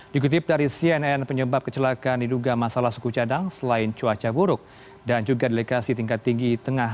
dikutip dari cnn penyebab kecelakaan diduga masalah suku cadang selain cuaca buruk dan juga delegasi tingkat tinggi tengah